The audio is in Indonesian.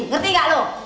ngerti nggak lu